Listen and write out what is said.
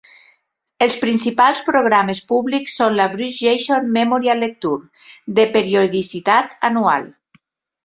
Els principals programes públics són la Bruce Jesson Memorial Lecture, de periodicitat anual.